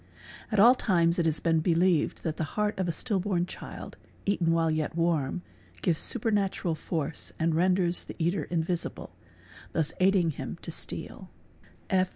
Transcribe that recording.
At all times it as been believed that the heart of a stillborn child, eaten while yet warm, sives supernatural force and renders the eater invisible, thus aiding him pisteal.